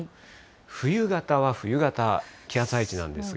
冬型は冬型、気圧配置なんですが。